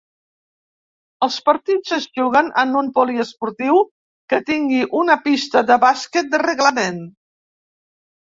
Els partits es juguen en un poliesportiu que tingui una pista de bàsquet de reglament.